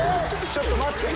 ちょっと待って。